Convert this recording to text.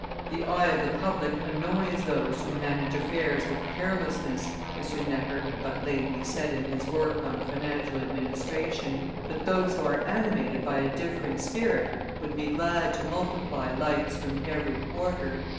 "The eye of the public annoys those who manage affairs with carelessness," M. Necker had but lately said in his work on financial administration, "but those who are animated by a different spirit would be glad to multiply lights from every quarter."